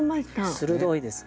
鋭いですね。